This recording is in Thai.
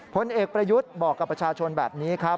ผลเอกประยุทธ์บอกกับประชาชนแบบนี้ครับ